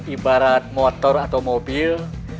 ibarat motor atau mobil